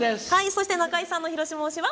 そして、中井さんの広島推しは？